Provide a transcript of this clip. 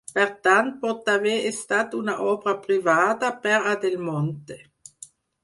Per tant, pot haver estat una obra privada per a Del Monte.